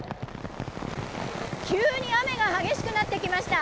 急に雨が激しくなってきました。